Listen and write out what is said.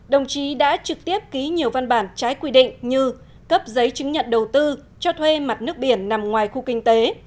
đồng chí đã trực tiếp ký nhiều văn bản trái quy định như cấp giấy chứng nhận đầu tư cho thuê mặt nước biển nằm ngoài khu kinh tế